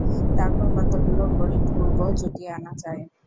তারপর কতকগুলো গরীব-গুরবো জুটিয়ে আনা চাই।